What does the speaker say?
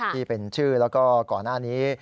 ที่เป็นชื่อแล้วก็ก่อนหน้านี้